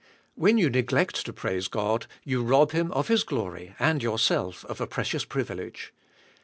When you neglect to praise God you rob Him of His glory and yourself of a: precious privilege.